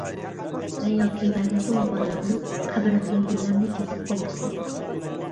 ۋە ياكى ۋەدەڭگە ۋاپادار بولۇپ، قەبرەمگە گۈللەرنى تىزىپ قويارسەن.